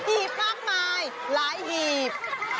หีบมากมายหลายหีบ